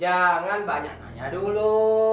jangan banyak nanya dulu